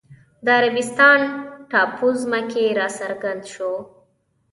د عربستان ټاپووزمه کې راڅرګند شو